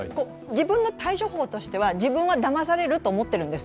自分の対処法としては自分はだまされると思ってるんです。